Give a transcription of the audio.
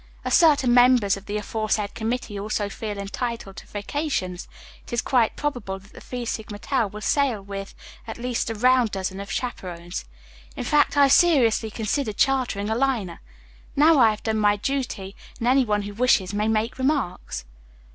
"As certain members of the aforesaid committee also feel entitled to vacations, it is quite probable that the Phi Sigma Tau will sail with at least a round dozen of chaperons. In fact, I have seriously considered chartering a liner. Now I have done my duty and any one who wishes may make remarks."